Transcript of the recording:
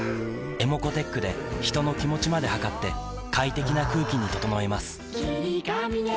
ｅｍｏｃｏーｔｅｃｈで人の気持ちまで測って快適な空気に整えます